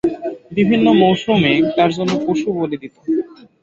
বিভিন্ন মওসূমে তার জন্য পশু বলি দিত।